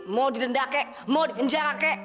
mau didenda kek mau dipenjara kek